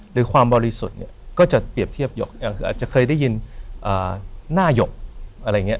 หรือความบริสุทธิ์เนี่ยก็จะเปรียบเทียบหยกคืออาจจะเคยได้ยินหน้าหยกอะไรอย่างนี้